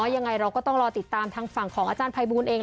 ยังไงเราก็ต้องรอติดตามทางฝั่งของอาจารย์ภัยบูลเอง